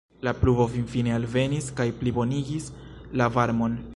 La pluvo finfine alvenis, kaj plibonigis la varmon.